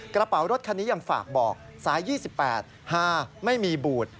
กระเป๋ารถคันนี้ยังฝากบอกสาย๒๘๕ไม่มีบูด